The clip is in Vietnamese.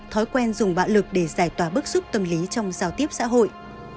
thói quen dùng bạo lực để giải tỏa bức xúc tâm lý trong giao tiếp xã hội